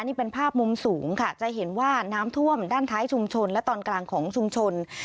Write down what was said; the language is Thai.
นี่เป็นภาพมุมสูงค่ะจะเห็นว่าน้ำท่วมด้านท้ายชุมชนและตอนกลางของชุมชน